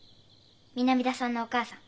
南田さんのお母さん。